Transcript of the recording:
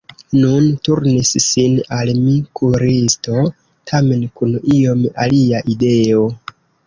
Nun turnis sin al mi kuiristo, tamen kun iom alia ideo.